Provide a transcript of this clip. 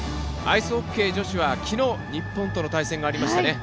アイスホッケー女子は、きのう日本との対戦がありました。